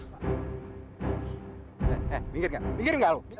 eh eh minggir nggak minggir nggak lo